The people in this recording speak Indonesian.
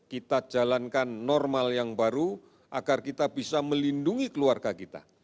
kita jalankan normal yang baru agar kita bisa melindungi keluarga kita